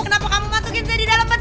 kenapa kamu masukin saya di dalam peti